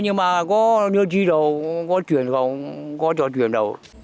nhưng mà có như chi đâu có chuyển không có cho chuyển đâu